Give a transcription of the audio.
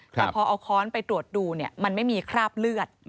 แต่พอเอาค้อนไปตรวจดูมันไม่มีคราบเลือด